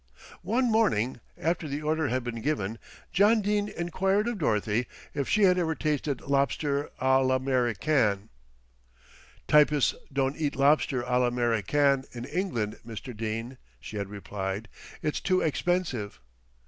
One morning, after the order had been given, John Dene enquired of Dorothy if she had ever tasted lobster à l'Americaine. "Typists don't eat lobster à l'Americaine in England, Mr. Dene," she had replied. "It's too expensive."